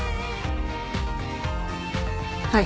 はい。